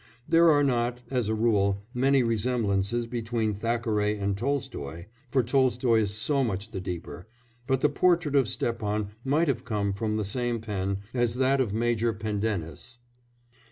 There are not, as a rule, many resemblances between Thackeray and Tolstoy, for Tolstoy is so much the deeper, but the portrait of Stepan might have come from the same pen as that of Major Pendennis.